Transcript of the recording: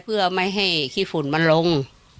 เพื่อไม่ให้ขี้ฝุ่นมันลง